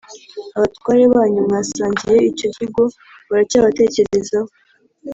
Abatware banyu mwasangiye icyo cyago baracyabatekerezaho.